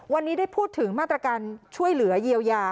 วันนี้ได้พูดถึงมาตรการช่วยเหลือเยียวยา